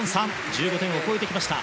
１５点を超えてきました。